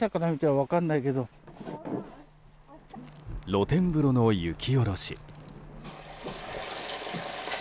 露天風呂の雪下ろし。